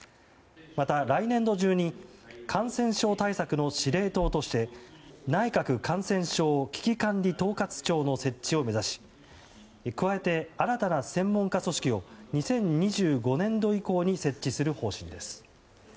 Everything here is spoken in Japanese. また、来年度中に感染症対策の司令塔として内閣感染症危機管理統括庁の設置を目指し加えて、新たな専門家組織を２０２５年度以降に設置する方針です。